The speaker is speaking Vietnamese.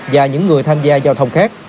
và những người tham gia giao thông khác